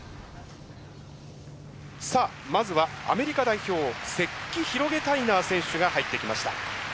さあまずはアメリカ代表セッキ・ヒロゲタイナー選手が入ってきました。